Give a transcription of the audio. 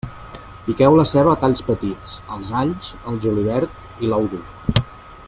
Piqueu la ceba a talls petits, els alls, el julivert i l'ou dur.